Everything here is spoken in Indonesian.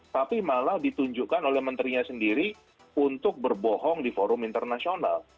tapi malah ditunjukkan oleh menterinya sendiri untuk berbohong di forum internasional